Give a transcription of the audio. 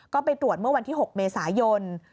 ก็ไปตรวจเมื่อวันที่๖เมษายน